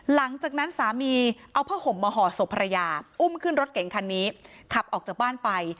หลังจากนั้นสามีเอาผ้าห่มมาห่อศพภรรยาอุ้มขึ้นรถเก่งคันนี้ขับออกจากบ้านไป